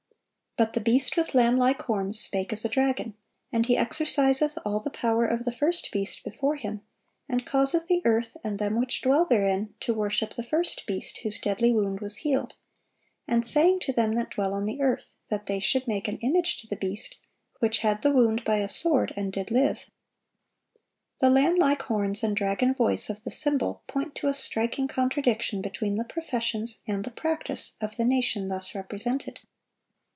But the beast with lamb like horns "spake as a dragon. And he exerciseth all the power of the first beast before him, and causeth the earth and them which dwell therein to worship the first beast, whose deadly wound was healed; and ... saying to them that dwell on the earth, that they should make an image to the beast, which had the wound by a sword and did live."(743) The lamb like horns and dragon voice of the symbol point to a striking contradiction between the professions and the practice of the nation thus represented.